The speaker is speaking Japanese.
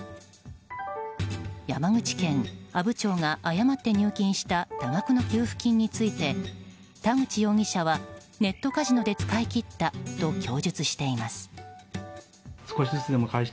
山口県阿武町が誤って入金した多額の給付金について田口容疑者はネットカジノで使い切ったと供述しています。